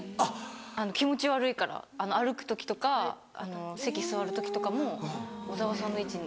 気持ち悪いから歩く時とか席座る時とかも小沢さんの位置に。